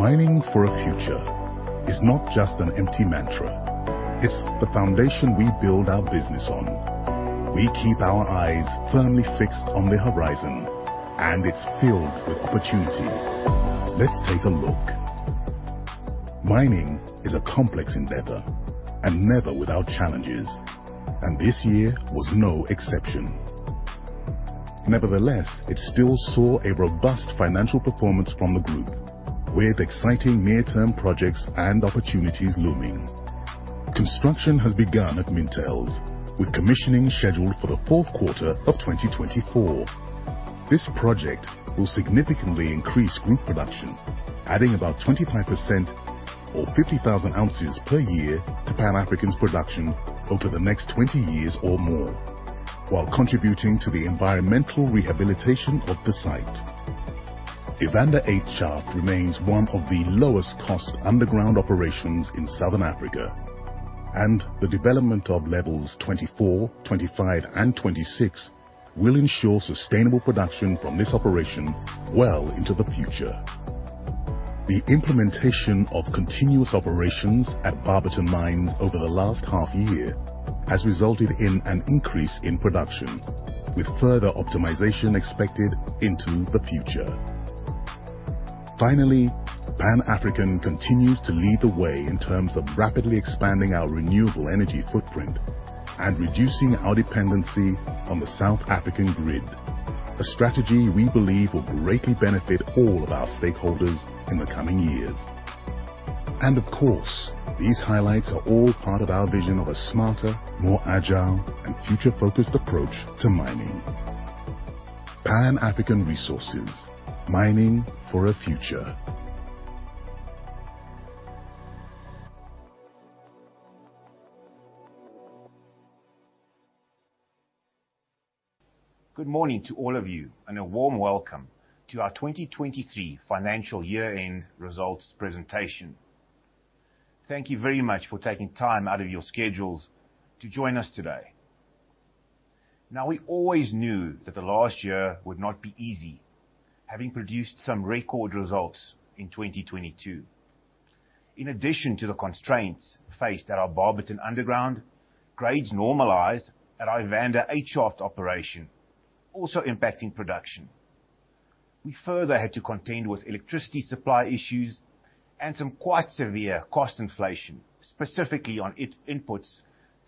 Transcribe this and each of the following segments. Mining for a future is not just an empty mantra, it's the foundation we build our business on. We keep our eyes firmly fixed on the horizon, and it's filled with opportunity. Let's take a look. Mining is a complex endeavor and never without challenges, and this year was no exception. Nevertheless, it still saw a robust financial performance from the group, with exciting near-term projects and opportunities looming. Construction has begun at Mintails, with commissioning scheduled for the fourth quarter of 2024. This project will significantly increase group production, adding about 25% or 50,000 ounces per year to Pan African's production over the next 20 years or more, while contributing to the environmental rehabilitation of the site. Evander Eight Shaft remains one of the lowest cost underground operations in Southern Africa, and the development of levels 24, 25, and 26 will ensure sustainable production from this operation well into the future. The implementation of continuous operations at Barberton Mine over the last half year has resulted in an increase in production, with further optimization expected into the future. Finally, Pan African continues to lead the way in terms of rapidly expanding our renewable energy footprint and reducing our dependency on the South African grid, a strategy we believe will greatly benefit all of our stakeholders in the coming years. And of course, these highlights are all part of our vision of a smarter, more agile, and future-focused approach to mining. Pan African Resources, mining for a future. Good morning to all of you, and a warm welcome to our 2023 financial year-end results presentation. Thank you very much for taking time out of your schedules to join us today. Now, we always knew that the last year would not be easy, having produced some record results in 2022. In addition to the constraints faced at our Barberton underground, grades normalized at our Evander Eight Shaft operation, also impacting production. We further had to contend with electricity supply issues and some quite severe cost inflation, specifically on inputs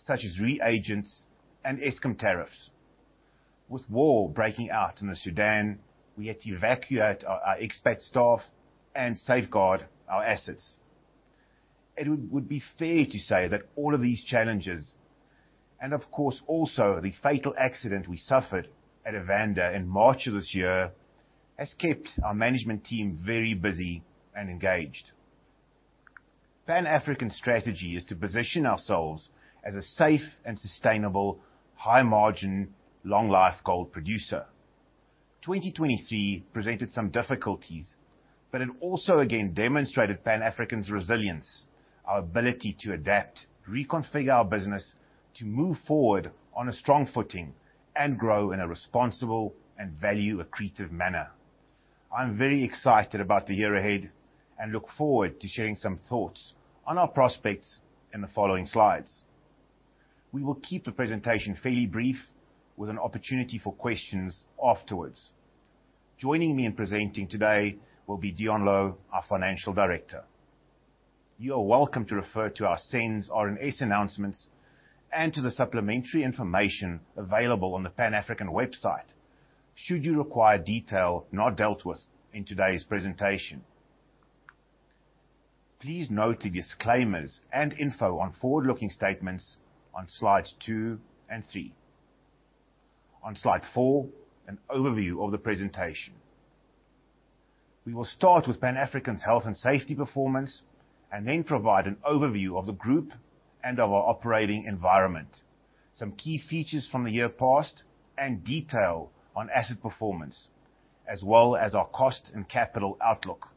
such as reagents and Eskom tariffs. With war breaking out in the Sudan, we had to evacuate our expat staff and safeguard our assets. It would be fair to say that all of these challenges, and of course, also the fatal accident we suffered at Evander in March of this year, has kept our management team very busy and engaged. Pan African's strategy is to position ourselves as a safe and sustainable, high margin, long-life gold producer. 2023 presented some difficulties, but it also again demonstrated Pan African's resilience, our ability to adapt, reconfigure our business, to move forward on a strong footing, and grow in a responsible and value-accretive manner. I'm very excited about the year ahead and look forward to sharing some thoughts on our prospects in the following slides. We will keep the presentation fairly brief, with an opportunity for questions afterwards. Joining me in presenting today will be Deon Louw, our Financial Director. You are welcome to refer to our SENS, RNS announcements, and to the supplementary information available on the Pan African website should you require detail not dealt with in today's presentation. Please note the disclaimers and info on forward-looking statements on slides 2 and 3. On slide 4, an overview of the presentation. We will start with Pan African's health and safety performance, and then provide an overview of the group and of our operating environment, some key features from the year past, and detail on asset performance, as well as our cost and capital outlook.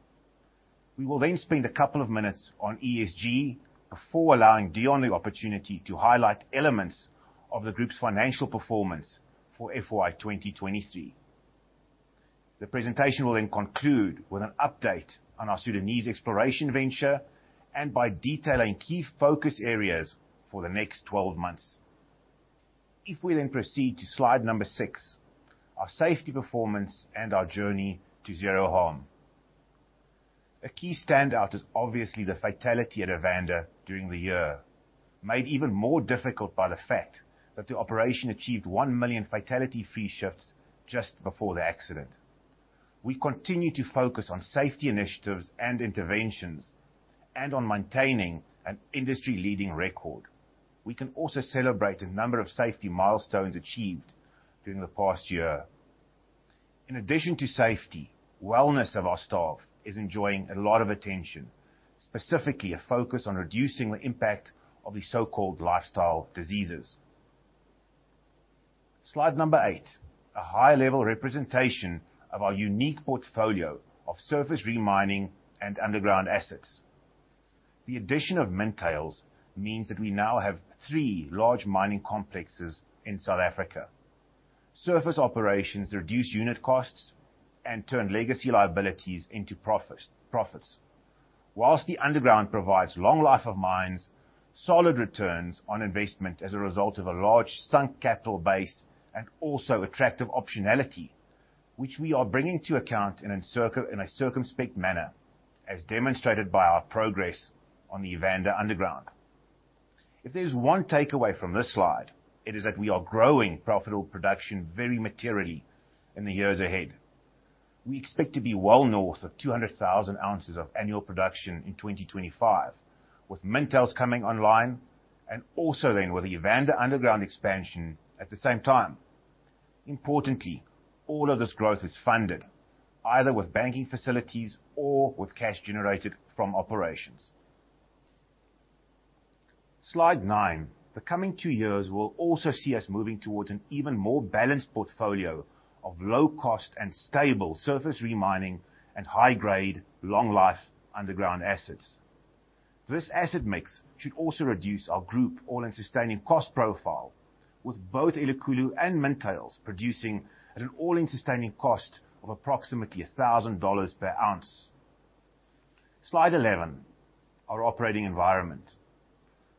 We will then spend a couple of minutes on ESG before allowing Deon the opportunity to highlight elements of the group's financial performance for FY 2023. The presentation will then conclude with an update on our Sudanese exploration venture and by detailing key focus areas for the next 12 months. If we then proceed to slide 6, our safety performance and our journey to Zero Harm. A key standout is obviously the fatality at Evander during the year, made even more difficult by the fact that the operation achieved 1 million fatality-free shifts just before the accident. We continue to focus on safety initiatives and interventions, and on maintaining an industry-leading record. We can also celebrate a number of safety milestones achieved during the past year. In addition to safety, wellness of our staff is enjoying a lot of attention, specifically a focus on reducing the impact of the so-called lifestyle diseases. Slide 8, a high-level representation of our unique portfolio of surface remining and underground assets. The addition of Mintails means that we now have three large mining complexes in South Africa. Surface operations reduce unit costs and turn legacy liabilities into profits. While the underground provides long life of mines, solid returns on investment as a result of a large sunk capital base, and also attractive optionality, which we are bringing to account in a circumspect manner, as demonstrated by our progress on the Evander Underground. If there's one takeaway from this slide, it is that we are growing profitable production very materially in the years ahead. We expect to be well north of 200,000 ounces of annual production in 2025, with Mintails coming online, and also then with the Evander underground expansion at the same time. Importantly, all of this growth is funded, either with banking facilities or with cash generated from operations. Slide 9. The coming two years will also see us moving towards an even more balanced portfolio of low cost and stable surface remining, and high-grade, long life underground assets. This asset mix should also reduce our group all-in sustaining cost profile, with both Elikhulu and Mintails producing at an all-in sustaining cost of approximately $1,000 per ounce. Slide 11, our operating environment.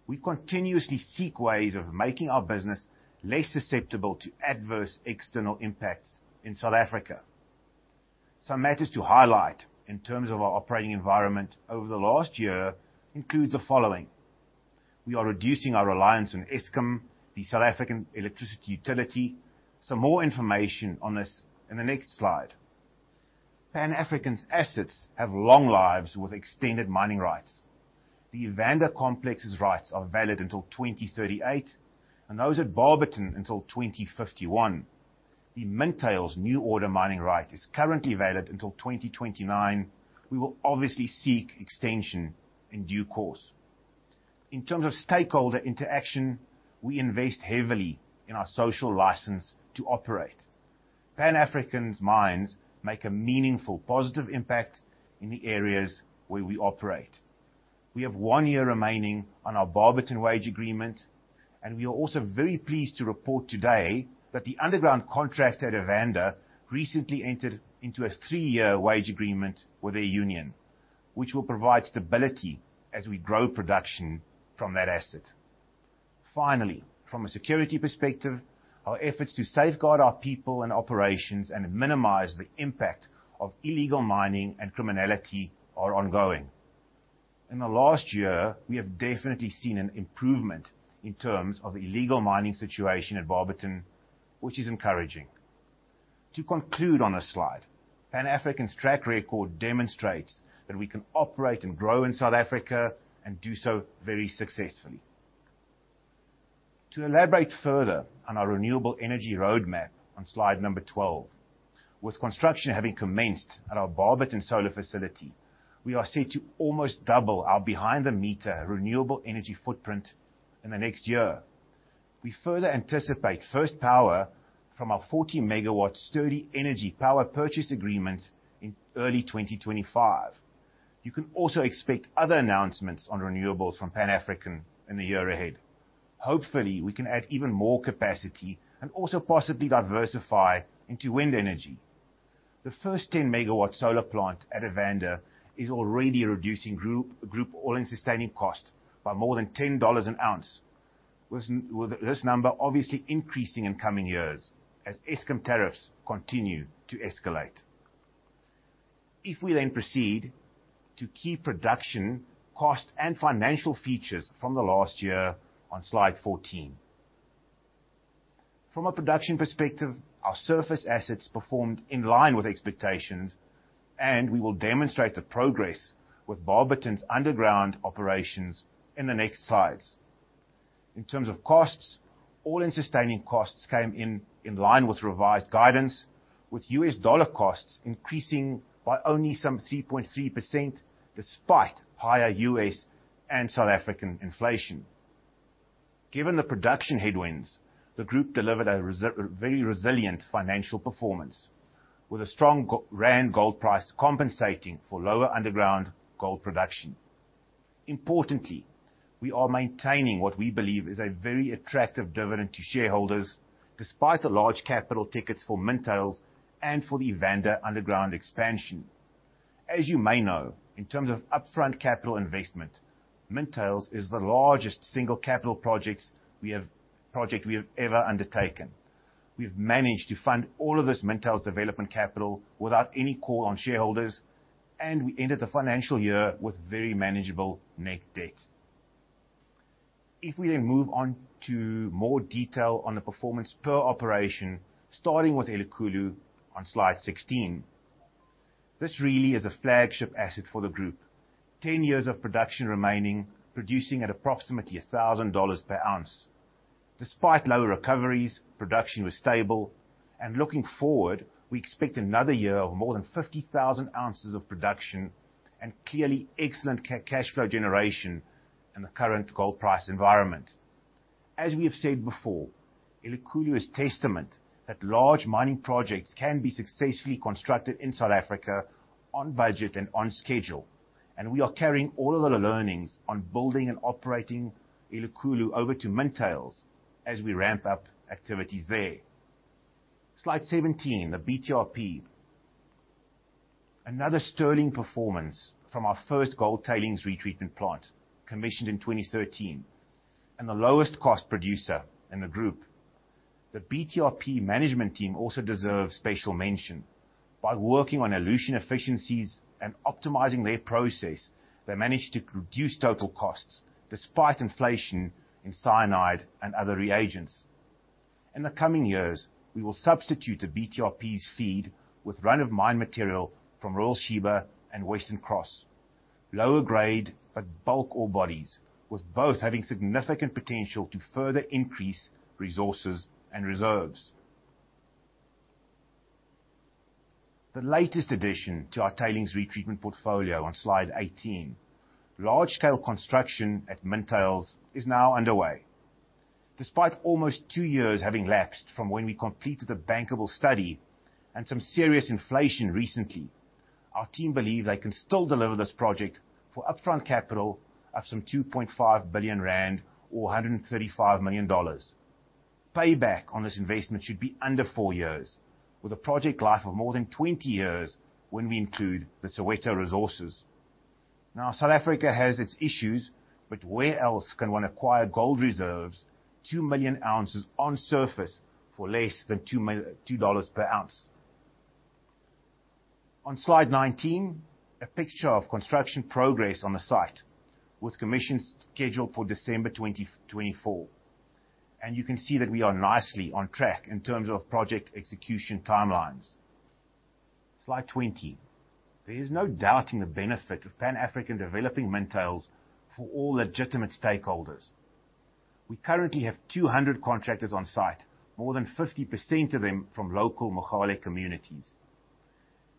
We continuously seek ways of making our business less susceptible to adverse external impacts in South Africa. Some matters to highlight in terms of our operating environment over the last year include the following: We are reducing our reliance on Eskom, the South African electricity utility. Some more information on this in the next slide. Pan African's assets have long lives with extended mining rights. The Evander Complex's rights are valid until 2038, and those at Barberton until 2051. The Mintails new order mining right is currently valid until 2029. We will obviously seek extension in due course. In terms of stakeholder interaction, we invest heavily in our social license to operate. Pan African's mines make a meaningful, positive impact in the areas where we operate. We have one year remaining on our Barberton wage agreement, and we are also very pleased to report today that the underground contract at Evander recently entered into a three-year wage agreement with their union, which will provide stability as we grow production from that asset. Finally, from a security perspective, our efforts to safeguard our people and operations and minimize the impact of illegal mining and criminality are ongoing. In the last year, we have definitely seen an improvement in terms of the illegal mining situation at Barberton, which is encouraging. To conclude on this slide, Pan African's track record demonstrates that we can operate and grow in South Africa and do so very successfully. To elaborate further on our renewable energy roadmap on slide number 12, with construction having commenced at our Barberton solar facility, we are set to almost double our behind the meter renewable energy footprint in the next year. We further anticipate first power from our 40 MW Sturdee Energy power purchase agreement in early 2025. You can also expect other announcements on renewables from Pan African in the year ahead. Hopefully, we can add even more capacity and also possibly diversify into wind energy. The first 10 MW solar plant at Evander is already reducing group all-in sustaining cost by more than $10 an ounce, with this number obviously increasing in coming years as Eskom tariffs continue to escalate. If we then proceed to key production, cost, and financial features from the last year on slide 14. From a production perspective, our surface assets performed in line with expectations, and we will demonstrate the progress with Barberton's underground operations in the next slides. In terms of costs, all-in sustaining costs came in in line with revised guidance, with U.S. dollar costs increasing by only some 3.3%, despite higher U.S. and South African inflation. Given the production headwinds, the group delivered a very resilient financial performance, with a strong rand gold price compensating for lower underground gold production. Importantly, we are maintaining what we believe is a very attractive dividend to shareholders, despite the large capital tickets for Mintails and for the Evander underground expansion. As you may know, in terms of upfront capital investment, Mintails is the largest single capital project we have ever undertaken. We've managed to fund all of this Mintails development capital without any call on shareholders, and we ended the financial year with very manageable net debt. If we then move on to more detail on the performance per operation, starting with Elikhulu on slide 16. This really is a flagship asset for the group. 10 years of production remaining, producing at approximately $1,000 per ounce. Despite lower recoveries, production was stable, and looking forward, we expect another year of more than 50,000 ounces of production and clearly excellent cash flow generation in the current gold price environment. As we have said before, Elikhulu is testament that large mining projects can be successfully constructed in South Africa, on budget and on schedule, and we are carrying all of the learnings on building and operating Elikhulu over to Mintails as we ramp up activities there. Slide 17, the BTRP. Another sterling performance from our first gold tailings retreatment plant, commissioned in 2013, and the lowest cost producer in the group. The BTRP management team also deserves special mention. By working on dilution efficiencies and optimizing their process, they managed to reduce total costs despite inflation in cyanide and other reagents. In the coming years, we will substitute the BTRP's feed with run-of-mine material from Royal Sheba and Western Cross. Lower grade, but bulk ore bodies, with both having significant potential to further increase resources and reserves. The latest addition to our tailings retreatment portfolio on slide 18, large-scale construction at Mintails is now underway. Despite almost two years having lapsed from when we completed the Bankable study and some serious inflation recently, our team believe they can still deliver this project for upfront capital of some 2.5 billion rand, or $135 million. Payback on this investment should be under 4 years, with a project life of more than 20 years when we include the Soweto resources. Now, South Africa has its issues, but where else can one acquire gold reserves, 2 million ounces on surface for less than $2 per ounce? On slide 19, a picture of construction progress on the site, with commissioning scheduled for December 20, 2024. You can see that we are nicely on track in terms of project execution timelines. Slide 20. There is no doubting the benefit of Pan African developing Mintails for all legitimate stakeholders. We currently have 200 contractors on site, more than 50% of them from local Mogale communities.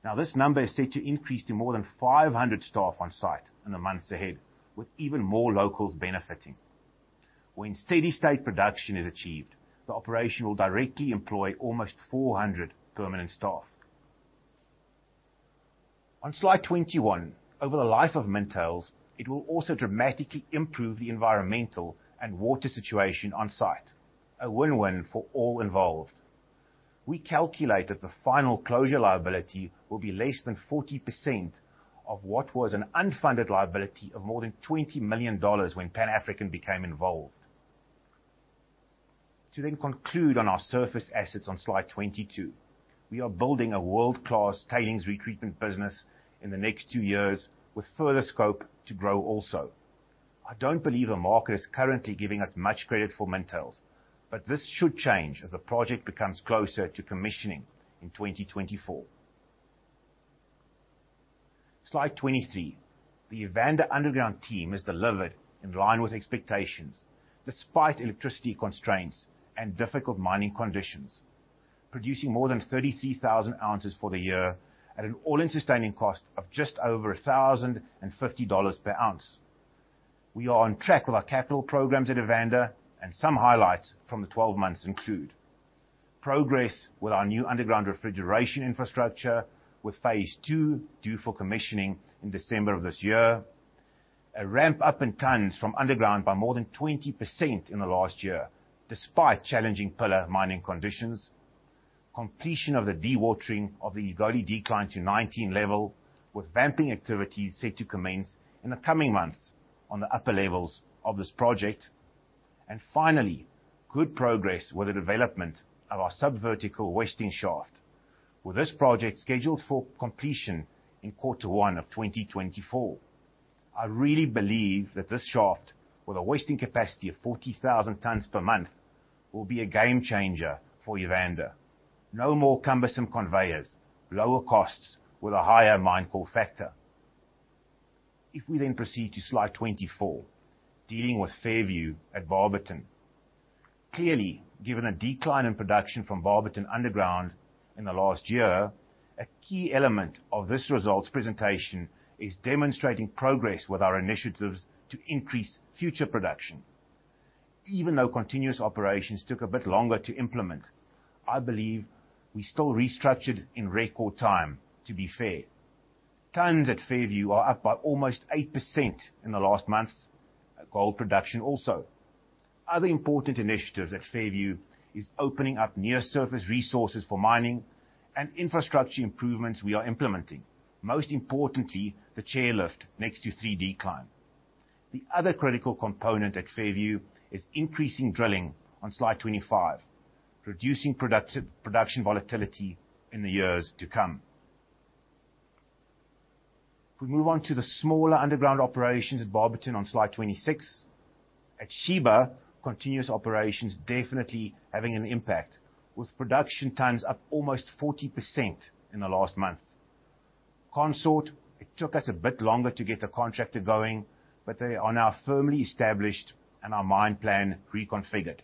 Now, this number is set to increase to more than 500 staff on site in the months ahead, with even more locals benefiting. When steady state production is achieved, the operation will directly employ almost 400 permanent staff. On slide 21, over the life of Mintails, it will also dramatically improve the environmental and water situation on site. A win-win for all involved. We calculate that the final closure liability will be less than 40% of what was an unfunded liability of more than $20 million when Pan African became involved. To then conclude on our surface assets on slide 22, we are building a world-class Tailings Retreatment business in the next 2 years, with further scope to grow also. I don't believe the market is currently giving us much credit for Mintails, but this should change as the project becomes closer to commissioning in 2024. Slide 23. The Evander underground team has delivered in line with expectations, despite electricity constraints and difficult mining conditions, producing more than 33,000 ounces for the year at an all-in sustaining cost of just over $1,050 per ounce. We are on track with our capital programs at Evander, and some highlights from the 12 months include: progress with our new underground refrigeration infrastructure, with phase two due for commissioning in December of this year. A ramp up in tons from underground by more than 20% in the last year, despite challenging pillar mining conditions. Completion of the dewatering of the Egoli decline to 19 level, with vamping activities set to commence in the coming months on the upper levels of this project. And finally, good progress with the development of our subvertical hoisting shaft, with this project scheduled for completion in quarter one of 2024. I really believe that this shaft, with a hoisting capacity of 40,000 tons per month, will be a game changer for Evander. No more cumbersome conveyors, lower costs with a higher mine call factor. If we then proceed to slide 24, dealing with Fairview at Barberton. Clearly, given a decline in production from Barberton Underground in the last year, a key element of this results presentation is demonstrating progress with our initiatives to increase future production. Even though continuous operations took a bit longer to implement, I believe we still restructured in record time, to be fair. Tons at Fairview are up by almost 8% in the last month, and gold production also. Other important initiatives at Fairview is opening up near surface resources for mining and infrastructure improvements we are implementing, most importantly, the chairlift next to 3 Decline. The other critical component at Fairview is increasing drilling on slide 25, reducing productive- production volatility in the years to come. If we move on to the smaller underground operations at Barberton on slide 26. At Sheba, continuous operations definitely having an impact, with production tons up almost 40% in the last month. Consort, it took us a bit longer to get the contractor going, but they are now firmly established and our mine plan reconfigured.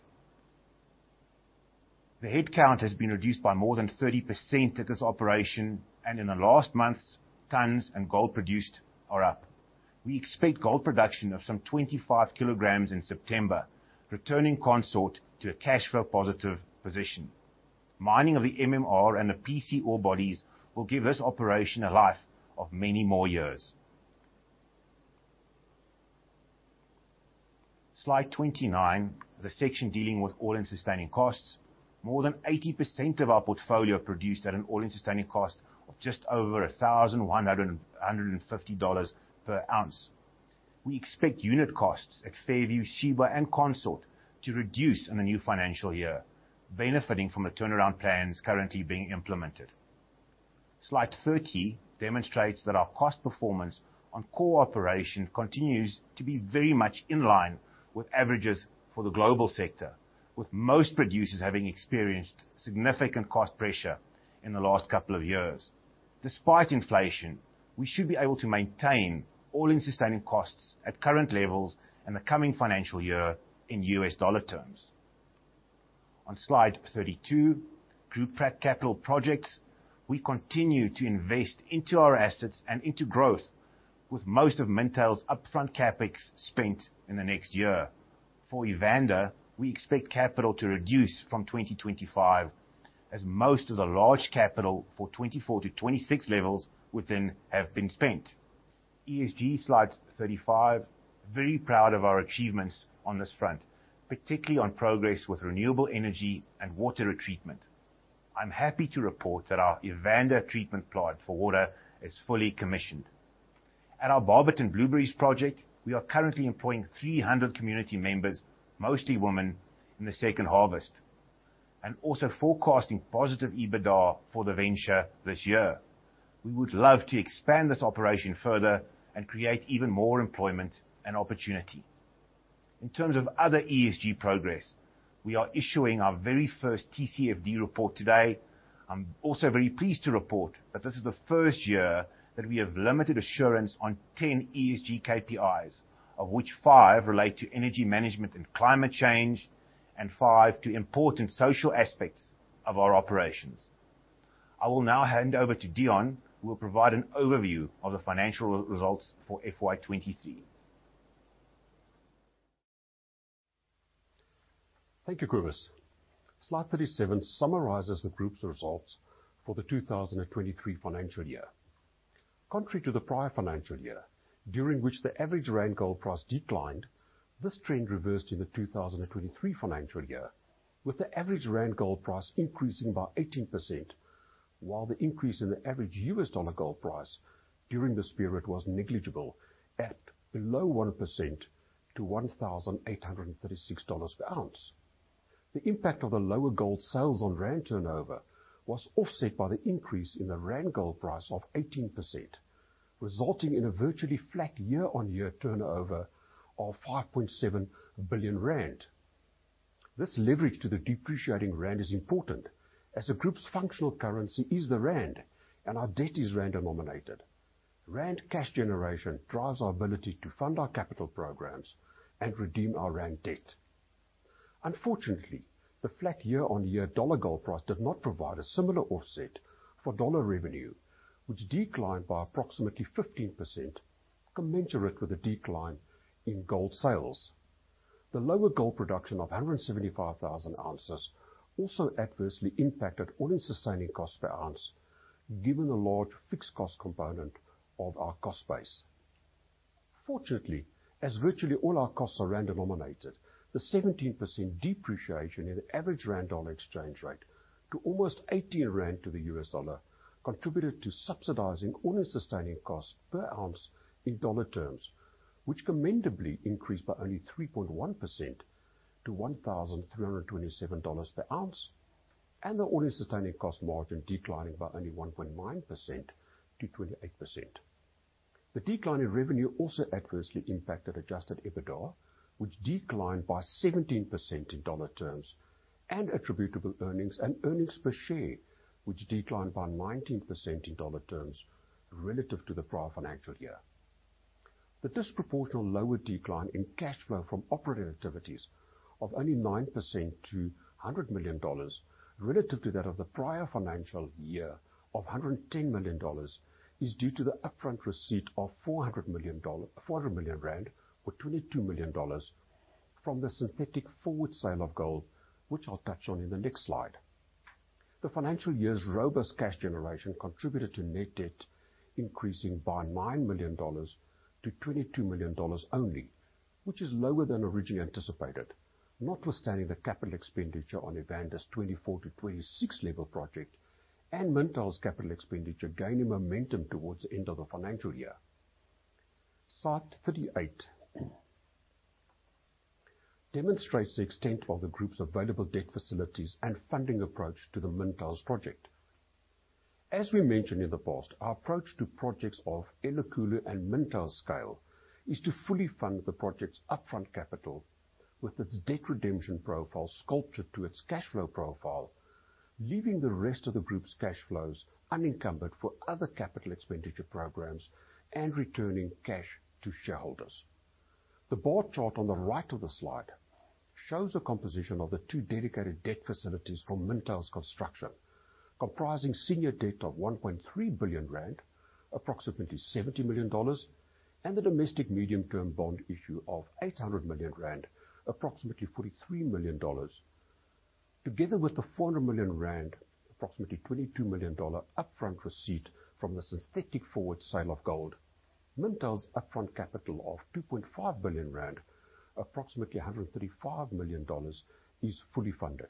The headcount has been reduced by more than 30% at this operation, and in the last months, tons and gold produced are up. We expect gold production of some 25 kg in September, returning Consort to a cash flow positive position. Mining of the MMR and the PC ore bodies will give this operation a life of many more years. Slide 29, the section dealing with all-in sustaining costs. More than 80% of our portfolio are produced at an all-in sustaining cost of just over $1,150 per ounce. We expect unit costs at Fairview, Sheba, and Consort to reduce in the new financial year, benefiting from the turnaround plans currently being implemented. Slide 30 demonstrates that our cost performance on core operation continues to be very much in line with averages for the global sector, with most producers having experienced significant cost pressure in the last couple of years. Despite inflation, we should be able to maintain all-in sustaining costs at current levels in the coming financial year in U.S. dollar terms. On Slide 32, group capital projects. We continue to invest into our assets and into growth, with most of Mintails' upfront CapEx spent in the next year. For Evander, we expect capital to reduce from 2025, as most of the large capital or 24 to 26 levels within have been spent. ESG, slide 35. Very proud of our achievements on this front, particularly on progress with renewable energy and water retreatment. I'm happy to report that our Evander treatment plant for water is fully commissioned. At our Barberton Blueberries project, we are currently employing 300 community members, mostly women, in the second harvest, and also forecasting positive EBITDA for the venture this year. We would love to expand this operation further and create even more employment and opportunity. In terms of other ESG progress, we are issuing our very first TCFD report today. I'm also very pleased to report that this is the first year that we have limited assurance on 10 ESG KPIs, of which five relate to energy management and climate change, and five to important social aspects of our operations. I will now hand over to Deon, who will provide an overview of the financial results for FY 2023. Thank you, Cobus. Slide 37 summarizes the group's results for the 2023 financial year. Contrary to the prior financial year, during which the average rand gold price declined, this trend reversed in the 2023 financial year, with the average rand gold price increasing by 18%, while the increase in the average U.S. dollar gold price during this period was negligible, at below 1% to $1,836 per ounce. The impact of the lower gold sales on rand turnover was offset by the increase in the rand gold price of 18%, resulting in a virtually flat year-on-year turnover of 5.7 billion rand. This leverage to the depreciating rand is important, as the group's functional currency is the rand and our debt is rand denominated. Rand cash generation drives our ability to fund our capital programs and redeem our rand debt. Unfortunately, the flat year-on-year dollar gold price did not provide a similar offset for dollar revenue, which declined by approximately 15%, commensurate with the decline in gold sales. The lower gold production of 175,000 ounces also adversely impacted all-in sustaining costs per ounce, given the large fixed cost component of our cost base. Fortunately, as virtually all our costs are rand denominated, the 17% depreciation in average rand-dollar exchange rate to almost 18 rand to the U.S. dollar, contributed to subsidizing all-in sustaining costs per ounce in dollar terms, which commendably increased by only 3.1% to $1,327 per ounce, and the all-in sustaining cost margin declining by only 1.9% to 28%. The decline in revenue also adversely impacted adjusted EBITDA, which declined by 17% in dollar terms, and attributable earnings and earnings per share, which declined by 19% in dollar terms relative to the prior financial year. The disproportional lower decline in cash flow from operating activities of only 9% to $100 million relative to that of the prior financial year of $110 million, is due to the upfront receipt of ZAR 400 million, or $22 million from the synthetic forward sale of gold, which I'll touch on in the next slide. The financial year's robust cash generation contributed to net debt increasing by $9 million to $22 million only, which is lower than originally anticipated, notwithstanding the capital expenditure on Evander's 24 to 26 level project and Mintails' capital expenditure gaining momentum towards the end of the financial year. Slide 38 demonstrates the extent of the group's available debt facilities and funding approach to the Mintails project. As we mentioned in the past, our approach to projects of Elikhulu and Mintails scale is to fully fund the project's upfront capital with its debt redemption profile sculpted to its cash flow profile, leaving the rest of the group's cash flows unencumbered for other capital expenditure programs and returning cash to shareholders. The bar chart on the right of the slide shows the composition of the two dedicated debt facilities from Mintails construction, comprising senior debt of 1.3 billion rand, approximately $70 million, and the domestic medium-term bond issue of 800 million rand, approximately $43 million. Together with the 400 million rand, approximately $22 million upfront receipt from the synthetic forward sale of gold, Mintails upfront capital of 2.5 billion rand, approximately $135 million, is fully funded.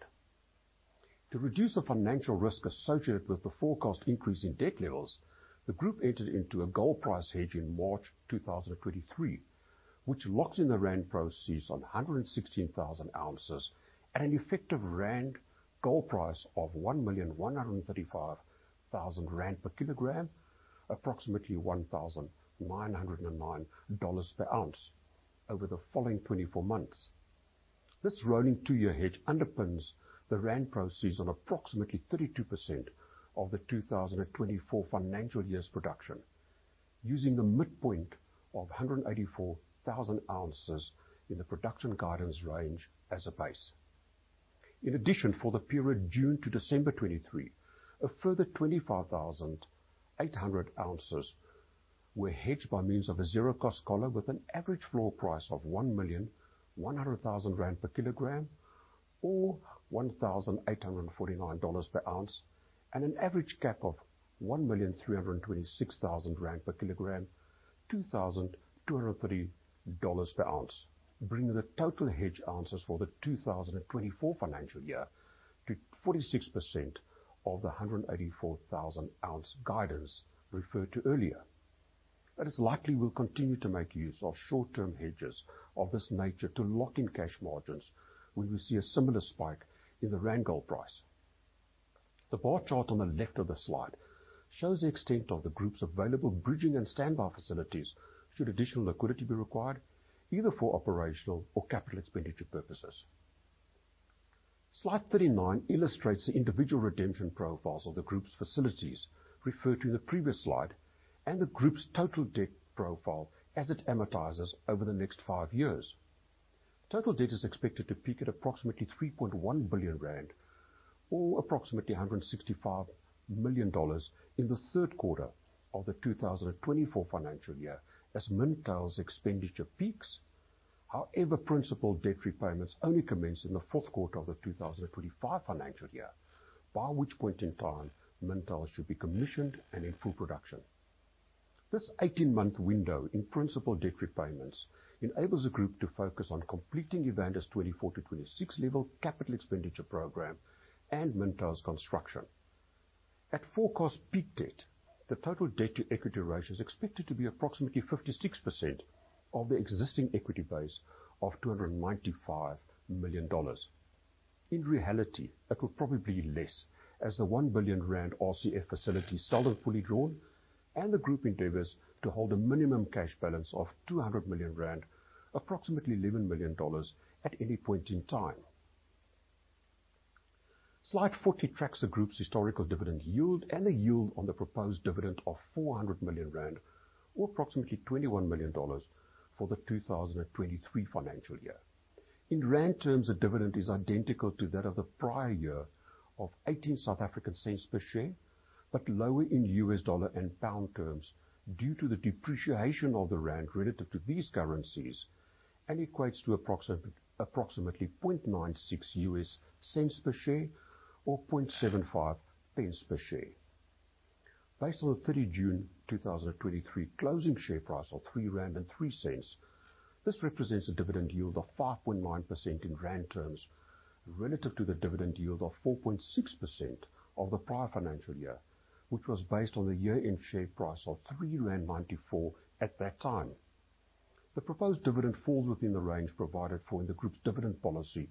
To reduce the financial risk associated with the forecast increase in debt levels, the group entered into a gold price hedge in March 2023, which locks in the rand proceeds on 116,000 ounces at an effective rand gold price of 1,135,000 rand per kilogram, approximately $1,909 per ounce over the following 24 months. This rolling 2-year hedge underpins the rand proceeds on approximately 32% of the 2024 financial year's production, using the midpoint of 184,000 ounces in the production guidance range as a base. In addition, for the period June to December 2023, a further 25,800 ounces were hedged by means of a zero-cost collar, with an average floor price of 1,100,000 rand per kilogram, or $1,849 per ounce, and an average cap of 1,326,000 rand per kilogram, $2,203 per ounce, bringing the total hedge ounces for the 2024 financial year to 46% of the 184,000 ounce guidance referred to earlier. It is likely we'll continue to make use of short-term hedges of this nature to lock in cash margins when we see a similar spike in the rand gold price. The bar chart on the left of the slide shows the extent of the group's available bridging and standby facilities should additional liquidity be required, either for operational or capital expenditure purposes. Slide 39 illustrates the individual redemption profiles of the group's facilities referred to in the previous slide, and the group's total debt profile as it amortizes over the next five years. Total debt is expected to peak at approximately 3.1 billion rand, or approximately $165 million, in the third quarter of the 2024 financial year as Mintails' expenditure peaks. However, principal debt repayments only commence in the fourth quarter of the 2025 financial year, by which point in time Mintails should be commissioned and in full production. This 18-month window in principal debt repayments enables the group to focus on completing Evander's 24 to 26 level capital expenditure program and Mintails' construction. At forecast peak debt, the total debt-to-equity ratio is expected to be approximately 56% of the existing equity base of $295 million. In reality, it will probably be less, as the 1 billion rand RCF facility is seldom fully drawn, and the group endeavors to hold a minimum cash balance of 200 million rand, approximately $11 million, at any point in time. Slide 40 tracks the group's historical dividend yield and the yield on the proposed dividend of 400 million rand, or approximately $21 million, for the 2023 financial year. In rand terms, the dividend is identical to that of the prior year, of 0.18 per share, but lower in U.S. dollar and pound terms due to the depreciation of the rand relative to these currencies, and equates to approximately 0.96 U.S. cents per share or 0.75 pence per share. Based on the 30 June 2023 closing share price of 3.03 rand, this represents a dividend yield of 5.9% in rand terms relative to the dividend yield of 4.6% of the prior financial year, which was based on the year-end share price of 3.94 rand at that time. The proposed dividend falls within the range provided for in the group's dividend policy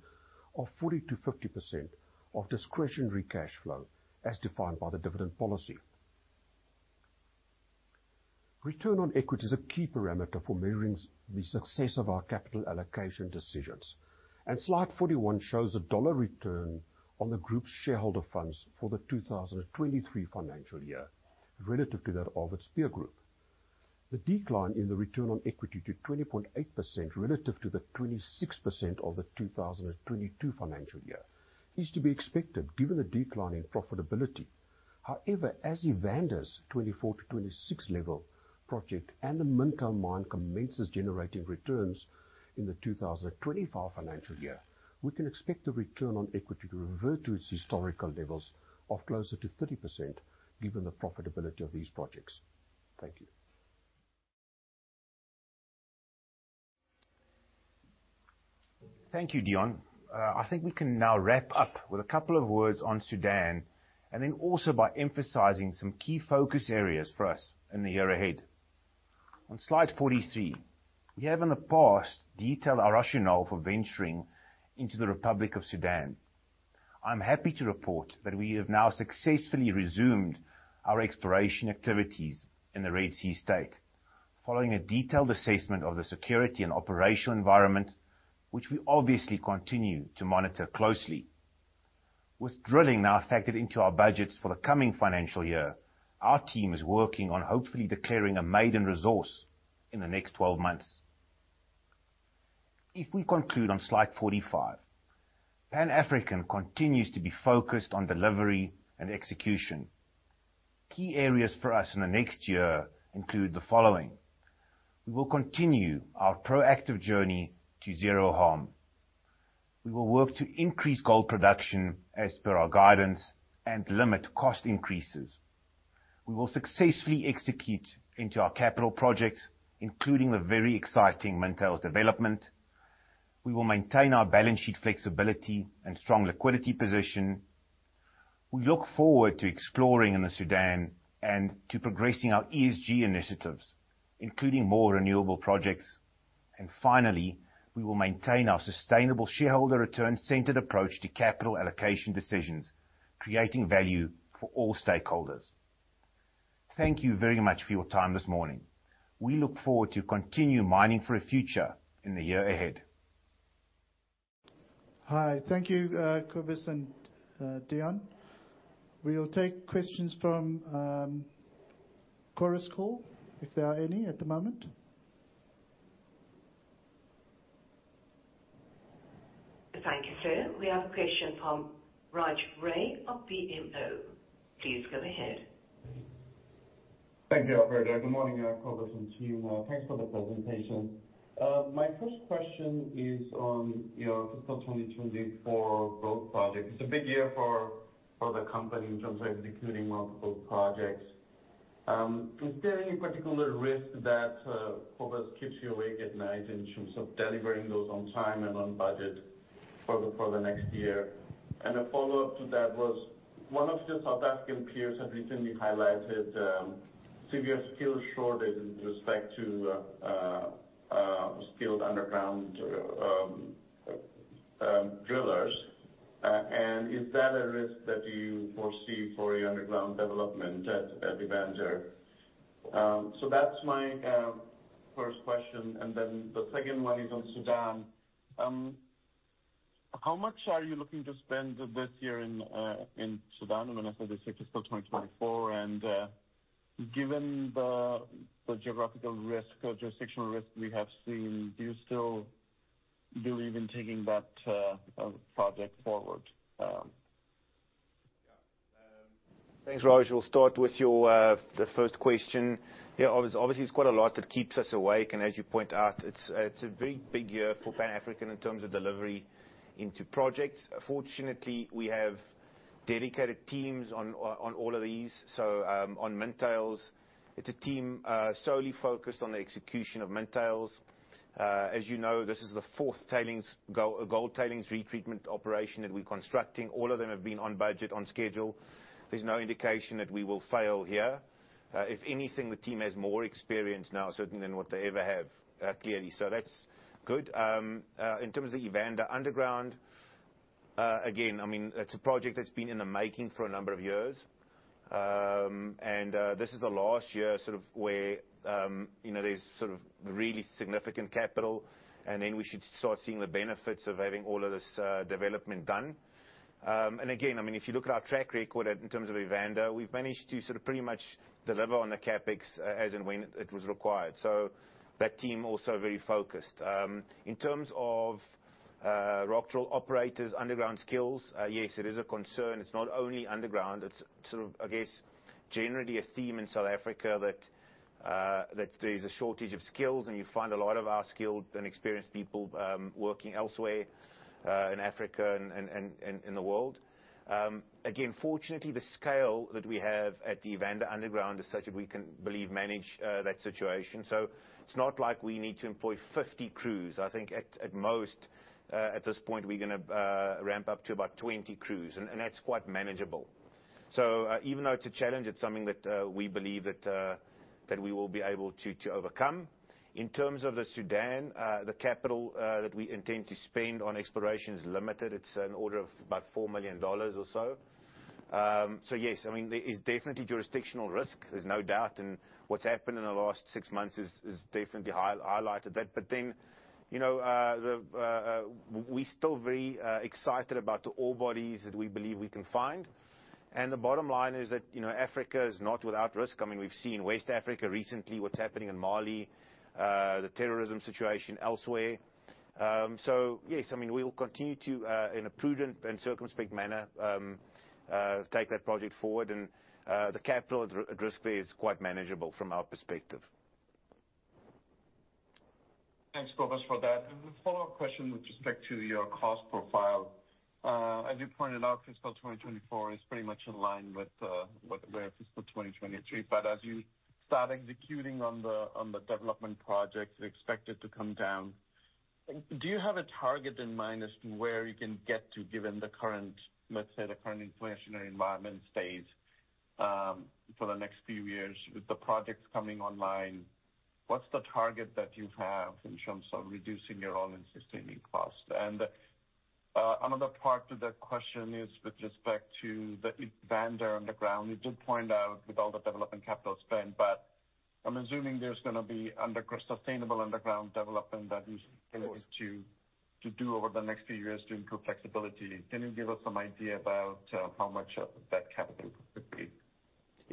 of 40%-50% of discretionary cash flow, as defined by the dividend policy. Return on equity is a key parameter for measuring the success of our capital allocation decisions, and slide 41 shows the $ return on the group's shareholder funds for the 2023 financial year relative to that of its peer group. The decline in the return on equity to 20.8% relative to the 26% of the 2022 financial year is to be expected, given the decline in profitability. However, as Evander's 24 to 26 level project and the Mintails mine commences generating returns in the 2025 financial year, we can expect the return on equity to revert to its historical levels of closer to 30%, given the profitability of these projects. Thank you. Thank you, Deon. I think we can now wrap up with a couple of words on Sudan, and then also by emphasizing some key focus areas for us in the year ahead. On slide 43, we have in the past detailed our rationale for venturing into the Republic of Sudan. I'm happy to report that we have now successfully resumed our exploration activities in the Red Sea state. Following a detailed assessment of the security and operational environment, which we obviously continue to monitor closely. With drilling now factored into our budgets for the coming financial year, our team is working on hopefully declaring a maiden resource in the next 12 months. If we conclude on slide 45, Pan African continues to be focused on delivery and execution. Key areas for us in the next year include the following: We will continue our proactive journey to Zero Harm. We will work to increase gold production as per our guidance and limit cost increases. We will successfully execute into our capital projects, including the very exciting Mintails development. We will maintain our balance sheet flexibility and strong liquidity position. We look forward to exploring in the Sudan and to progressing our ESG initiatives, including more renewable projects. And finally, we will maintain our sustainable shareholder return-centered approach to capital allocation decisions, creating value for all stakeholders. Thank you very much for your time this morning. We look forward to continue mining for a future in the year ahead. Hi. Thank you, Cobus and, Deon. We will take questions from, Chorus Call, if there are any at the moment. Thank you, sir. We have a question from Raj Ray of BMO. Please go ahead. Thank you. Good morning, Cobus and team. Thanks for the presentation. My first question is on your fiscal 2024 growth project. It's a big year for the company in terms of executing multiple projects. Is there any particular risk that, Cobus, keeps you awake at night in terms of delivering those on time and on budget for the next year? And a follow-up to that was, one of your South African peers have recently highlighted severe skill shortage in respect to skilled underground drillers. And is that a risk that you foresee for your underground development at Evander? So that's my first question, and then the second one is on Sudan. How much are you looking to spend this year in Sudan, when I said this is still 2024, and given the geographical risk or jurisdictional risk we have seen, do you still believe in taking that project forward? Thanks, Raj. We'll start with your, the first question. Yeah, obviously, it's quite a lot that keeps us awake, and as you point out, it's a very big year for Pan African in terms of delivery into projects. Fortunately, we have dedicated teams on all of these. So, on Mintails, it's a team solely focused on the execution of Mintails. As you know, this is the fourth tailings gold tailings retreatment operation that we're constructing. All of them have been on budget, on schedule. There's no indication that we will fail here. If anything, the team has more experience now, certainly than what they ever have, clearly. So that's good. In terms of Evander Underground, again, I mean, it's a project that's been in the making for a number of years. This is the last year sort of where, you know, there's sort of really significant capital, and then we should start seeing the benefits of having all of this development done. Again, I mean, if you look at our track record in terms of Evander, we've managed to sort of pretty much deliver on the CapEx as and when it was required. So that team are also very focused. In terms of rock drill operators, underground skills, yes, it is a concern. It's not only underground, it's sort of, I guess, generally a theme in South Africa that there's a shortage of skills, and you find a lot of our skilled and experienced people working elsewhere in Africa and in the world. Again, fortunately, the scale that we have at the Evander Underground is such that we believe we can manage that situation. So it's not like we need to employ 50 crews. I think at most, at this point, we're gonna ramp up to about 20 crews, and that's quite manageable. So even though it's a challenge, it's something that we believe that we will be able to overcome. In terms of the Sudan, the capital that we intend to spend on exploration is limited. It's an order of about $4 million or so. So yes, I mean, there is definitely jurisdictional risk, there's no doubt. And what's happened in the last six months is definitely highlighted that. But then, you know, we still very excited about the ore bodies that we believe we can find. And the bottom line is that, you know, Africa is not without risk. I mean, we've seen West Africa recently, what's happening in Mali, the terrorism situation elsewhere. So yes, I mean, we will continue to, in a prudent and circumspect manner, take that project forward, and, the capital at risk there is quite manageable from our perspective. Thanks, Cobus, for that. A follow-up question with respect to your cost profile. As you pointed out, fiscal 2024 is pretty much in line with where fiscal 2023. But as you start executing on the development projects, you expect it to come down. Do you have a target in mind as to where you can get to, given the current, let's say, the current inflationary environment stays for the next few years with the projects coming online? What's the target that you have in terms of reducing your all-in sustaining cost? And another part to that question is with respect to the Evander underground. You did point out with all the development capital spend, but I'm assuming there's gonna be sustainable underground development that you committed to do over the next few years to improve flexibility. Can you give us some idea about how much of that capital could be?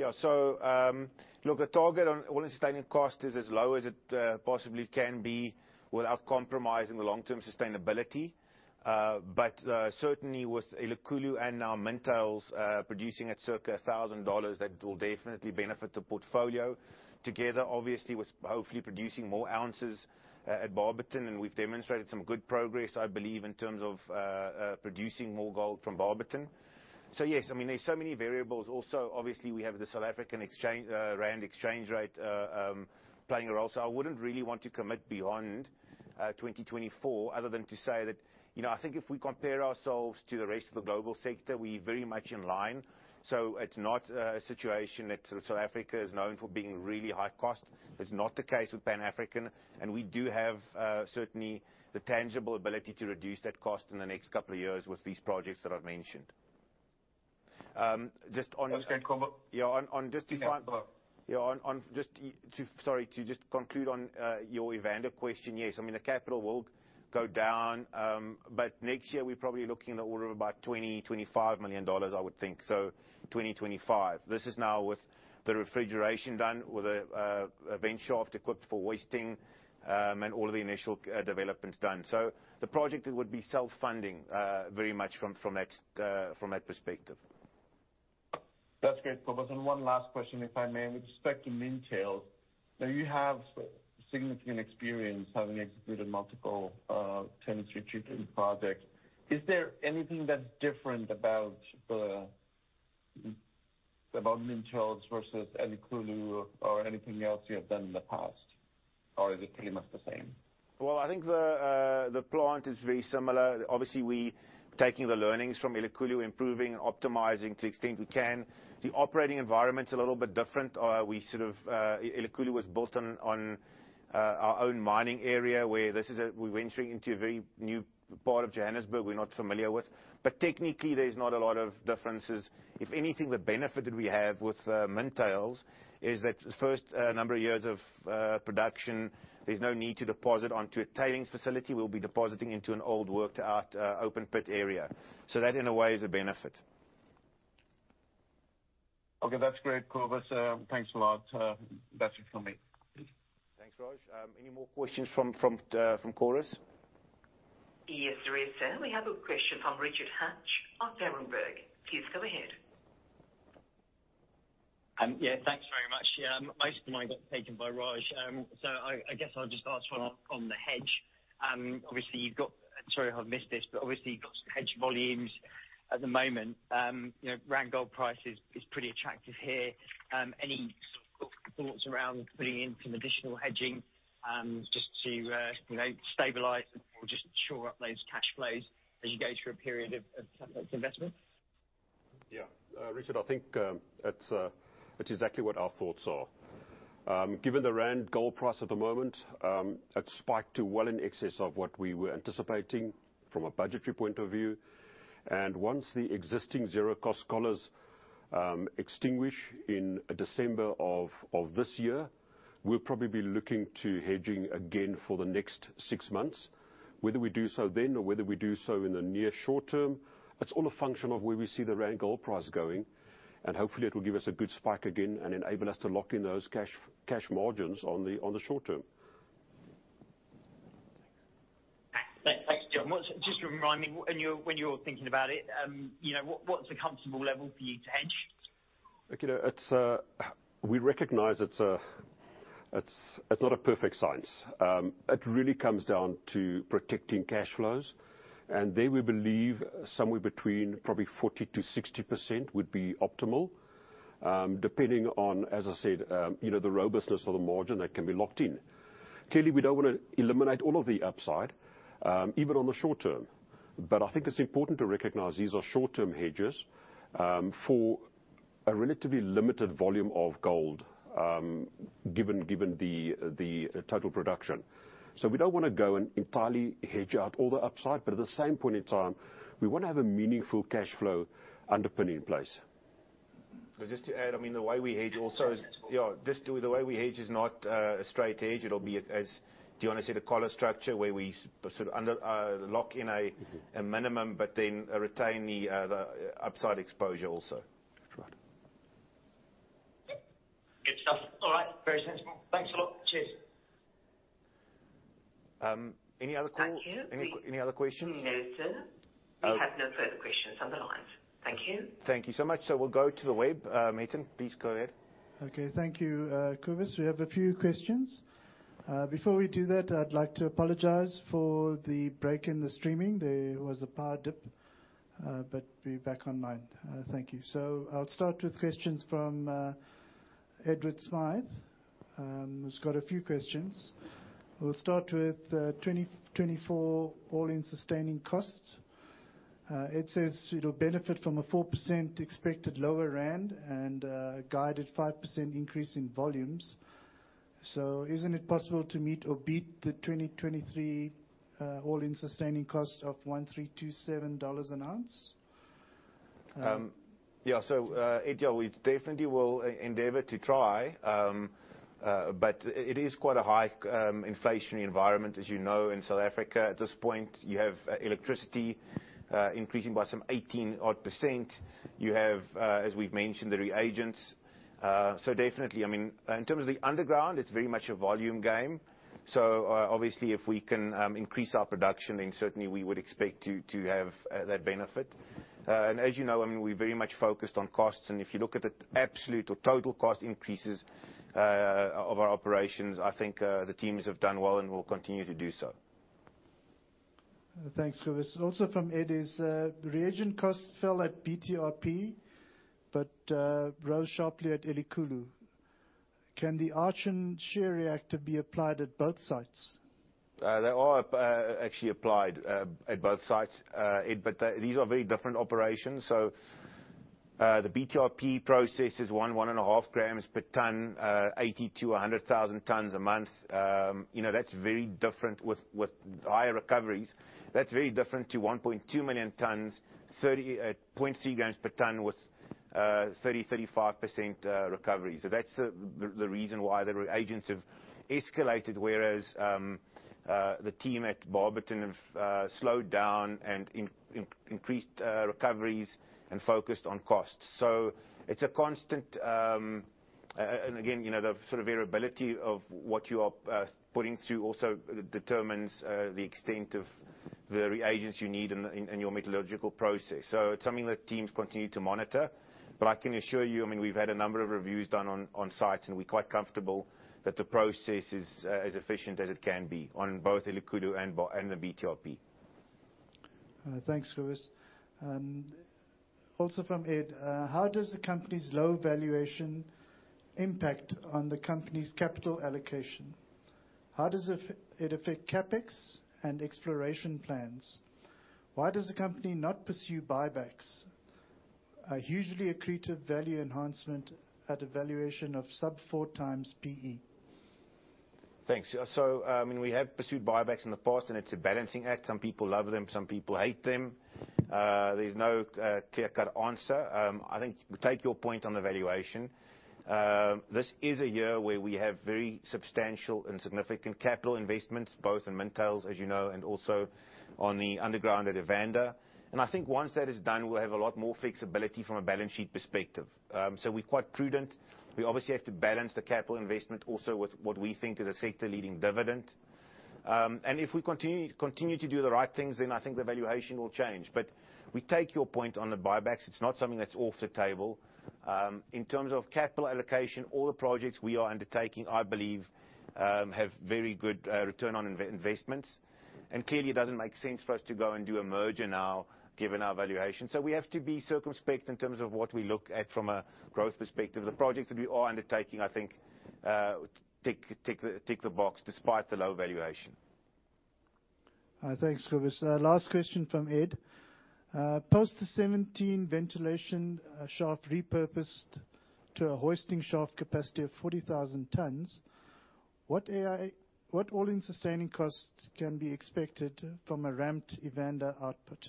Yeah. So, look, the target on all-in sustaining cost is as low as it possibly can be, without compromising the long-term sustainability. But, certainly with Elikhulu and now Mintails, producing at circa $1,000, that will definitely benefit the portfolio. Together, obviously, with hopefully producing more ounces at Barberton, and we've demonstrated some good progress, I believe, in terms of producing more gold from Barberton. So yes, I mean, there's so many variables. Also, obviously, we have the South African rand exchange rate playing a role, so I wouldn't really want to commit beyond 2024, other than to say that, you know, I think if we compare ourselves to the rest of the global sector, we're very much in line. So it's not a situation that South Africa is known for being really high cost. It's not the case with Pan African, and we do have certainly the tangible ability to reduce that cost in the next couple of years with these projects that I've mentioned. Just on- That's great, Cobus. Yeah, on just to find- Go. Yeah, on just to... Sorry, to just conclude on your Evander question. Yes, I mean, the capital will go down, but next year we're probably looking in the order of about $20-$25 million, I would think, so 20-25. This is now with the refrigeration done, with the vent shaft equipped for hoisting, and all of the initial developments done. So the project would be self-funding, very much from that perspective. That's great, Cobus. And one last question, if I may. With respect to Mintails, now you have significant experience having executed multiple, tailings retreatment projects. Is there anything that's different about Mintails versus Elikhulu or anything else you have done in the past? Or is it pretty much the same? Well, I think the plant is very similar. Obviously, we taking the learnings from Elikhulu, improving and optimizing to the extent we can. The operating environment's a little bit different. Elikhulu was built on our own mining area, where this is we're venturing into a very new part of Johannesburg we're not familiar with. But technically, there's not a lot of differences. If anything, the benefit that we have with Mintails is that the first number of years of production, there's no need to deposit onto a tailings facility. We'll be depositing into an old, worked out open pit area. So that, in a way, is a benefit. Okay. That's great, Cobus. Thanks a lot. That's it from me. Thanks, Raj. Any more questions from chorus? Yes, there is, sir. We have a question from Richard Hatch of Berenberg. Please go ahead. Yeah, thanks very much. Most of mine got taken by Raj, so I guess I'll just ask one on the hedge. Obviously you've got, sorry if I've missed this, but obviously you've got some hedge volumes at the moment. You know, rand gold price is pretty attractive here. Any sort of thoughts around putting in some additional hedging, just to, you know, stabilize or just shore up those cash flows as you go through a period of capital investment? Yeah. Richard, I think that's exactly what our thoughts are. Given the rand gold price at the moment, it spiked to well in excess of what we were anticipating from a budgetary point of view. And once the existing zero-cost collars extinguish in December of this year, we'll probably be looking to hedging again for the next six months. Whether we do so then, or whether we do so in the near short term, it's all a function of where we see the rand gold price going, and hopefully it will give us a good spike again and enable us to lock in those cash margins on the short term. Thanks, John. Just remind me, when you're thinking about it, you know, what's a comfortable level for you to hedge? Look, you know, it's, we recognize it's a, it's, it's not a perfect science. It really comes down to protecting cash flows, and there we believe somewhere between probably 40%-60% would be optimal, depending on, as I said, you know, the robustness of the margin that can be locked in. Clearly, we don't want to eliminate all of the upside, even on the short term, but I think it's important to recognize these are short-term hedges, for a relatively limited volume of gold, given the total production. So we don't want to go and entirely hedge out all the upside, but at the same point in time, we want to have a meaningful cash flow underpinning in place. Just to add, I mean, the way we hedge also is- Yes. Yeah, just the way we hedge is not a straight hedge. It'll be as, do you want to say, the collar structure, where we sort of under lock in a- Mm-hmm... a minimum, but then retain the upside exposure also. Right. Good stuff. All right, very sensible. Thanks a lot. Cheers. Any other call? Thank you. Any other questions? No, sir. Uh- We have no further questions on the line. Thank you. Thank you so much. So we'll go to the web. Hethen, please go ahead. Okay. Thank you, Cobus. We have a few questions. Before we do that, I'd like to apologize for the break in the streaming. There was a power dip, but we're back online. Thank you. So I'll start with questions from Edward Smyth. He's got a few questions. We'll start with 2024 all-in sustaining costs. It says it'll benefit from a 4% expected lower rand and guided 5% increase in volumes. So isn't it possible to meet or beat the 2023 all-in sustaining cost of $1,327 an ounce? Yeah, so, Ed, yeah, we definitely will endeavor to try, but it is quite a high, inflationary environment, as you know, in South Africa at this point. You have electricity increasing by some 18%. You have, as we've mentioned, the reagents. So definitely, I mean, in terms of the underground, it's very much a volume game. So obviously, if we can increase our production, then certainly we would expect to have that benefit. And as you know, I mean, we're very much focused on costs, and if you look at the absolute or total cost increases of our operations, I think the teams have done well and will continue to do so. Thanks, Cobus. Also from Ed, reagent costs fell at BTRP, but rose sharply at Elikhulu. Can the Aachen shear reactor be applied at both sites? They are actually applied at both sites, Ed, but these are very different operations. So, the BTRP process is 1-1.5 grams per tonne, 80,000-100,000 tonnes a month. You know, that's very different with higher recoveries. That's very different to 1.2 million tonnes, 0.3 grams per tonne with 30%-35% recovery. So that's the reason why the reagents have escalated, whereas the team at Barberton have slowed down and increased recoveries and focused on costs. So it's a constant... And again, you know, the sort of variability of what you are putting through also determines the extent of the reagents you need in your metallurgical process. It's something that teams continue to monitor, but I can assure you, I mean, we've had a number of reviews done on sites, and we're quite comfortable that the process is as efficient as it can be on both Elikhulu and Barberton and the BTRP. Thanks, Cobus. Also from Ed: How does the company's low valuation impact on the company's capital allocation? How does it affect CapEx and exploration plans? Why does the company not pursue buybacks? Usually accretive value enhancement at a valuation of sub-4x PE. Thanks. So, and we have pursued buybacks in the past, and it's a balancing act. Some people love them, some people hate them. There's no clear-cut answer. I think we take your point on the valuation. This is a year where we have very substantial and significant capital investments, both in Mintails, as you know, and also on the underground at Evander. And I think once that is done, we'll have a lot more flexibility from a balance sheet perspective. So we're quite prudent. We obviously have to balance the capital investment also with what we think is a sector-leading dividend. And if we continue to do the right things, then I think the valuation will change. But we take your point on the buybacks. It's not something that's off the table. In terms of capital allocation, all the projects we are undertaking, I believe, have very good return on investments. Clearly, it doesn't make sense for us to go and do a merger now, given our valuation. So we have to be circumspect in terms of what we look at from a growth perspective. The projects that we are undertaking, I think, tick, tick, tick the box despite the low valuation. Thanks, Cobus. Last question from Ed. Post the 17 ventilation shaft repurposed to a hoisting shaft capacity of 40,000 tonnes, what all-in sustaining costs can be expected from a ramped Evander output?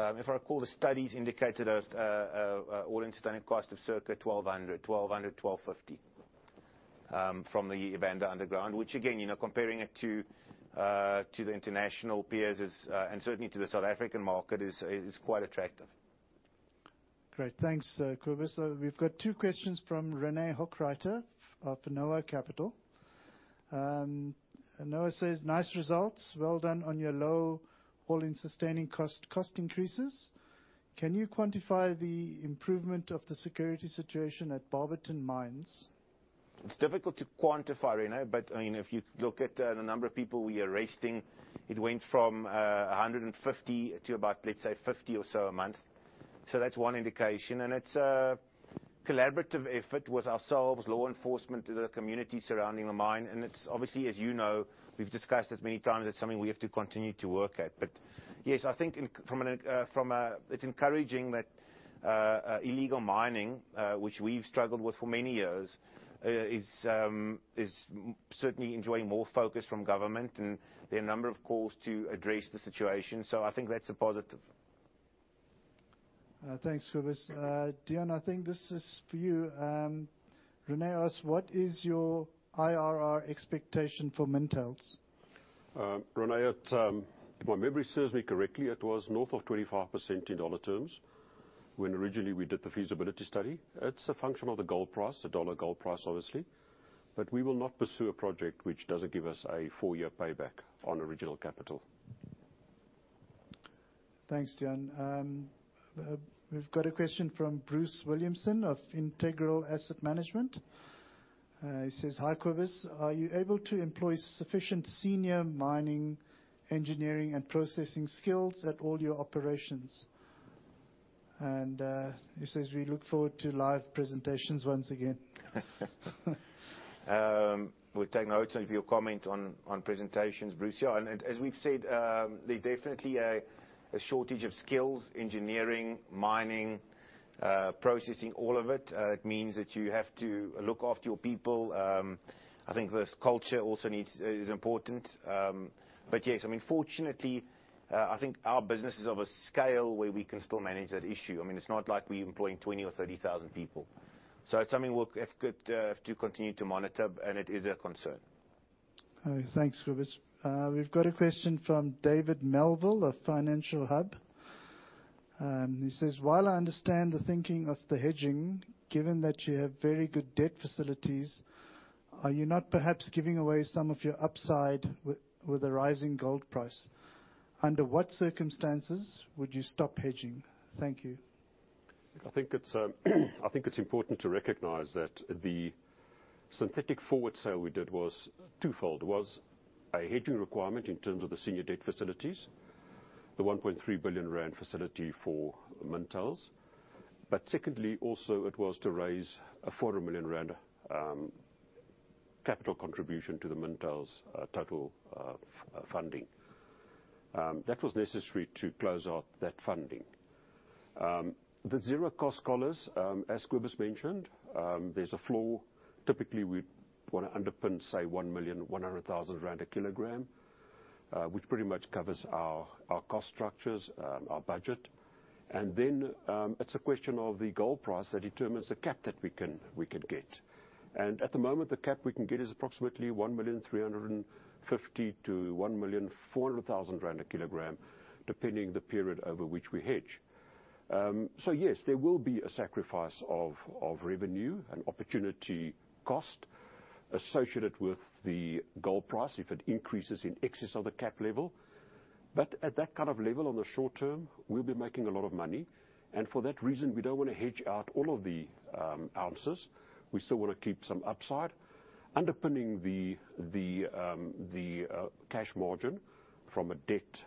If I recall, the studies indicated a all-in sustaining cost of circa $1,200-$1,250 from the Evander underground. Which again, you know, comparing it to the international peers is, and certainly to the South African market, is quite attractive. Great. Thanks, Kobus. So we've got two questions from Rene Hochreiter of Noah Capital. Noah says, "Nice results. Well done on your low all-in sustaining cost increases. Can you quantify the improvement of the security situation at Barberton Mines? It's difficult to quantify, Rene, but, I mean, if you look at the number of people we are arresting, it went from 150 to about, let's say, 50 or so a month. So that's one indication, and it's a collaborative effort with ourselves, law enforcement, and the community surrounding the mine. And it's obviously, as you know, we've discussed this many times, it's something we have to continue to work at. But yes, I think it's encouraging that illegal mining, which we've struggled with for many years, is certainly enjoying more focus from government, and there are a number of calls to address the situation, so I think that's a positive. Thanks, Cobus. Deon, I think this is for you. Rene asks, "What is your IRR expectation for Mintails? Rene, if my memory serves me correctly, it was north of 25% in dollar terms when originally we did the feasibility study. It's a function of the gold price, the dollar gold price, obviously, but we will not pursue a project which doesn't give us a four-year payback on original capital. Thanks, Deon. We've got a question from Bruce Williamson of Integral Asset Management. He says, "Hi, Kobus. Are you able to employ sufficient senior mining, engineering, and processing skills at all your operations?" And, he says, "We look forward to live presentations once again. We'll take notes of your comment on, on presentations, Bruce. Yeah, and as we've said, there's definitely a shortage of skills, engineering, mining, processing all of it, it means that you have to look after your people. I think the culture also needs, is important. But yes, I mean, fortunately, I think our business is of a scale where we can still manage that issue. I mean, it's not like we employ 20 or 30,000 people. So it's something we'll have got to continue to monitor, but, and it is a concern. All right. Thanks, Cobus. We've got a question from David Melville of Financial Hub. He says: While I understand the thinking of the hedging, given that you have very good debt facilities, are you not perhaps giving away some of your upside with, with the rising gold price? Under what circumstances would you stop hedging? Thank you. I think it's, I think it's important to recognize that the synthetic forward sale we did was twofold. Was a hedging requirement in terms of the senior debt facilities, the 1.3 billion rand facility for Mintails. But secondly, also, it was to raise a 400 million rand capital contribution to the Mintails total funding. That was necessary to close out that funding. The zero cost collars, as Cobus mentioned, there's a floor. Typically, we'd want to underpin, say, 1,100,000 rand a kilogram, which pretty much covers our cost structures, our budget. And then, it's a question of the gold price that determines the cap that we can, we could get. At the moment, the cap we can get is approximately 1,350,000-1,400,000 rand a kilogram, depending on the period over which we hedge. So yes, there will be a sacrifice of revenue and opportunity cost associated with the gold price if it increases in excess of the cap level. But at that kind of level, on the short term, we'll be making a lot of money, and for that reason, we don't want to hedge out all of the ounces. We still want to keep some upside, underpinning the cash margin from a debt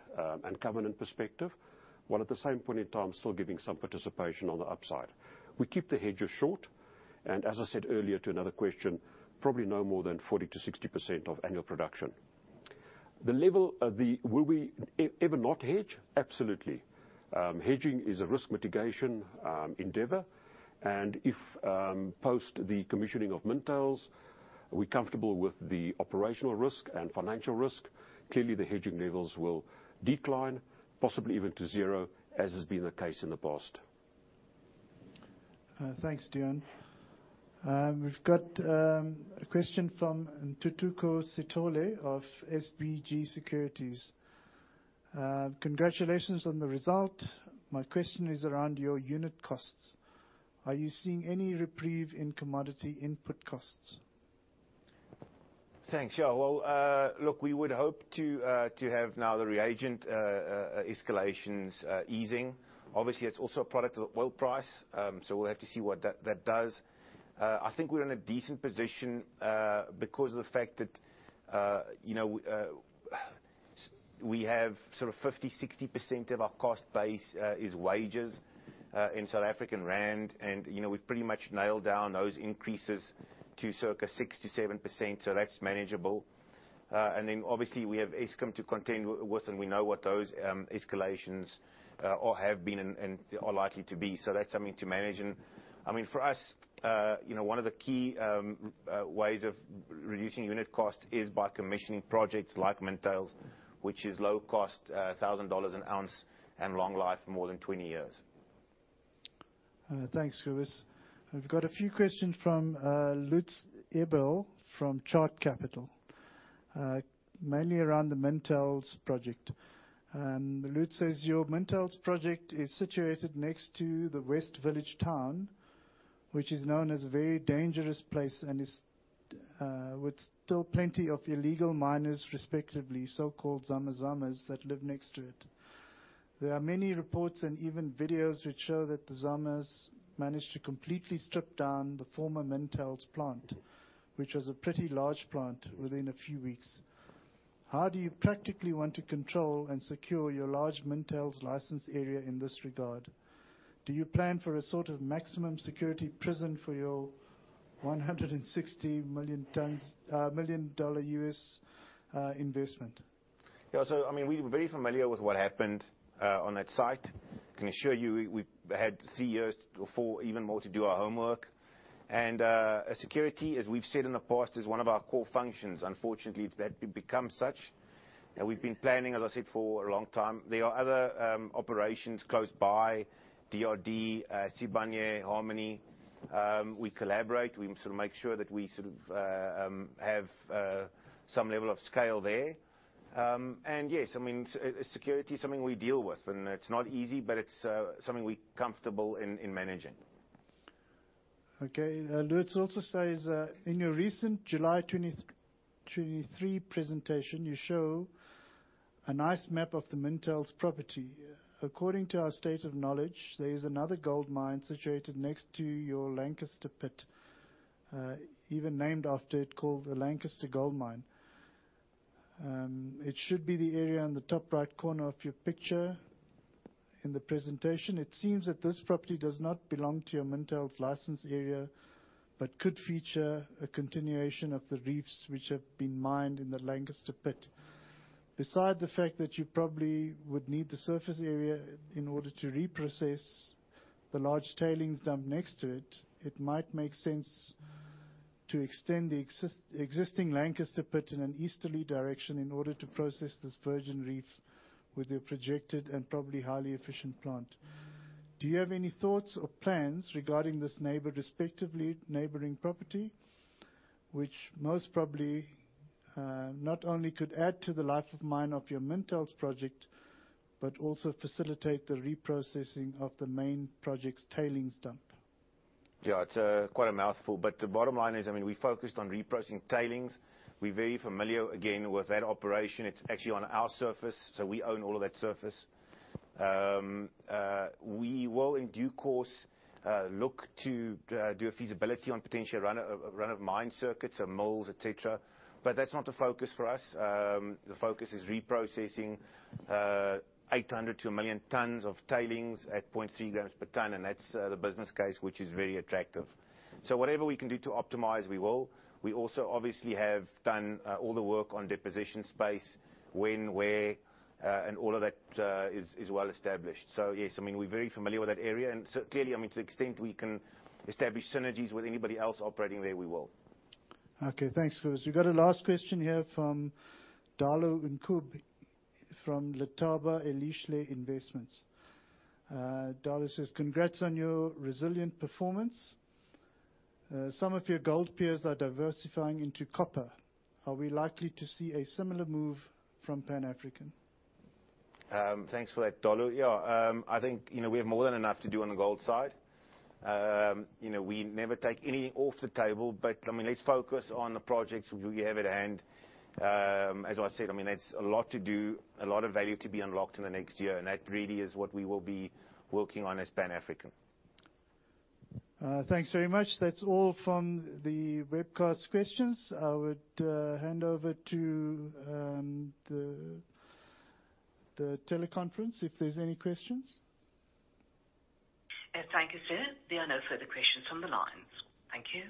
and covenant perspective, while at the same point in time, still giving some participation on the upside. We keep the hedges short, and as I said earlier to another question, probably no more than 40%-60% of annual production. Will we ever not hedge? Absolutely. Hedging is a risk mitigation endeavor, and if, post the commissioning of Mintails, we're comfortable with the operational risk and financial risk, clearly, the hedging levels will decline, possibly even to zero, as has been the case in the past. Thanks, Deon. We've got a question from Ntuthuko Sithole of SBG Securities. Congratulations on the result. My question is around your unit costs. Are you seeing any reprieve in commodity input costs? Thanks. Yeah, well, look, we would hope to have now the reagent escalations easing. Obviously, it's also a product of oil price, so we'll have to see what that does. I think we're in a decent position, because of the fact that, you know, we have sort of 50-60% of our cost base is wages, in South African rand, and, you know, we've pretty much nailed down those increases to circa 6%-7%, so that's manageable. And then, obviously, we have Eskom to continue with, and we know what those escalations or have been and are likely to be, so that's something to manage. I mean, for us, you know, one of the key ways of reducing unit cost is by commissioning projects like Mintails, which is low cost, $1,000 an ounce and long life, more than 20 years. Thanks, Cobus. I've got a few questions from Lutz Ebel from Chart Capital, mainly around the Mintails project. And Lutz says: Your Mintails project is situated next to the West Village town, which is known as a very dangerous place and is with still plenty of illegal miners, respectively, so-called Zama Zamas, that live next to it. There are many reports and even videos which show that the Zamas managed to completely strip down the former Mintails plant, which was a pretty large plant, within a few weeks. How do you practically want to control and secure your large Mintails licensed area in this regard? Do you plan for a sort of maximum security prison for your 160 million tons, $160 million U.S. investment? Yeah, so I mean, we're very familiar with what happened on that site. I can assure you, we, we've had 3 years or 4, even more, to do our homework. And security, as we've said in the past, is one of our core functions. Unfortunately, that it becomes such, and we've been planning, as I said, for a long time. There are other operations close by, DRD, Sibanye, Harmony. We collaborate. We sort of make sure that we sort of have some level of scale there. And yes, I mean, security is something we deal with, and it's not easy, but it's something we're comfortable in, in managing. Okay. Lutz also says, in your recent July 20, 2023 presentation, you show a nice map of the Mintails property. According to our state of knowledge, there is another gold mine situated next to your Lancaster pit, even named after it, called the Lancaster Gold Mine. It should be the area on the top right corner of your picture in the presentation. It seems that this property does not belong to your Mintails license area, but could feature a continuation of the reefs which have been mined in the Lancaster pit. Beside the fact that you probably would need the surface area in order to reprocess the large tailings dump next to it, it might make sense to extend the existing Lancaster pit in an easterly direction in order to process this virgin reef with your projected, and probably, highly efficient plant. Do you have any thoughts or plans regarding this neighbor, respectively neighboring property, which most probably not only could add to the life of mine of your Mintails project, but also facilitate the reprocessing of the main project's tailings dump? Yeah, it's quite a mouthful, but the bottom line is, I mean, we focused on reprocessing tailings. We're very familiar, again, with that operation. It's actually on our surface, so we own all of that surface. We will, in due course, look to do a feasibility on potentially run, a run-of-mine circuit, so mills, et cetera. But that's not the focus for us. The focus is reprocessing 800 to 1 million tons of tailings at 0.3 grams per ton, and that's the business case, which is very attractive. So whatever we can do to optimize, we will. We also obviously have done all the work on deposition space, when, where, and all of that is well established. So yes, I mean, we're very familiar with that area, and so clearly, I mean, to the extent we can establish synergies with anybody else operating there, we will. Okay, thanks, Louis. We've got a last question here from Dalo Ncube, from Letaba Elihle Investments. Dalo says, "Congrats on your resilient performance. Some of your gold peers are diversifying into copper. Are we likely to see a similar move from Pan African? Thanks for that, Deon. Yeah, I think, you know, we have more than enough to do on the gold side. You know, we never take anything off the table, but, I mean, let's focus on the projects we have at hand. As I said, I mean, that's a lot to do, a lot of value to be unlocked in the next year, and that really is what we will be working on as Pan African. Thanks very much. That's all from the webcast questions. I would hand over to the teleconference, if there's any questions. Thank you, sir. There are no further questions on the lines. Thank you.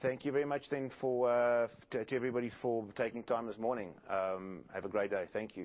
Thank you very much to everybody for taking time this morning. Have a great day. Thank you.